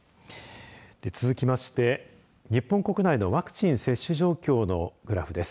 続きまして日本国内のワクチンの接種状況のグラフです。